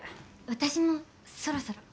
私もそろそろ。